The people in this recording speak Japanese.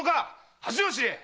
恥を知れ‼